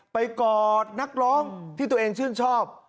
กอดนักร้องที่ตัวเองชื่นชอบ